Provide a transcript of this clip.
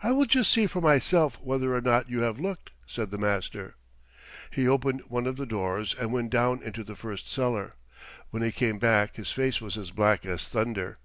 "I will just see for myself whether or not you have looked," said the master. He opened one of the doors and went down into the first cellar. When he came back his face was as black as thunder.